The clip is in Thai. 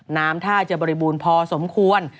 น้ำท่าจะบริบูรณ์พอสมควร